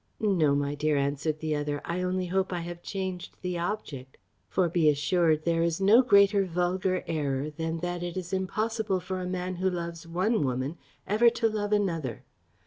"No, my dear," answered the other; "I only hope I have changed the object; for be assured, there is no greater vulgar error than that it is impossible for a man who loves one woman ever to love another.